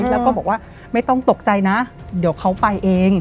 แล้วก็บอกว่าไม่ต้องตกใจนะเดี๋ยวเขาไปเอง